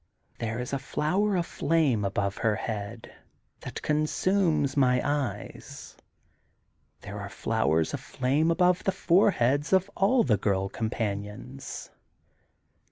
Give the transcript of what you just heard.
There is a flower of flame above her forehead that consumes my eyes; there are flowers of flame above the foreheads of all her girl com panions.